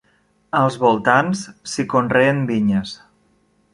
Als voltants s'hi conreen vinyes.